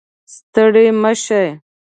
ستړې مه شې